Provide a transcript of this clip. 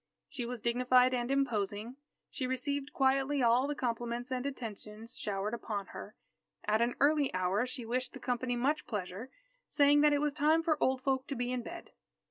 She was dignified and imposing. She received quietly all the compliments and attentions showered upon her. At an early hour she wished the company much pleasure, saying that it was time for old folk to be in bed.